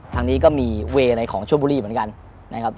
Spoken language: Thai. ทางนี้ก็มีเวย์ในของชั่วบุรีเหมือนกัน